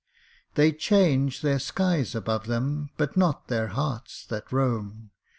They change their skies above them, But not their hearts that roam!